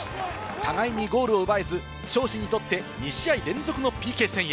互いにゴールを奪えず尚志にとって２試合連続のＰＫ戦へ。